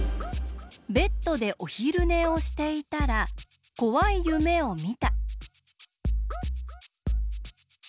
ベッドでおひるねをしていたらこわいゆめをみた。